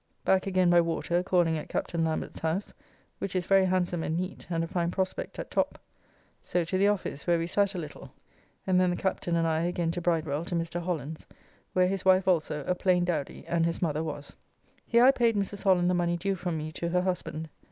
Back again by water, calling at Captain Lambert's house, which is very handsome and neat, and a fine prospect at top. So to the office, where we sat a little, and then the Captain and I again to Bridewell to Mr. Holland's, where his wife also, a plain dowdy, and his mother was. Here I paid Mrs. Holland the money due from me to her husband.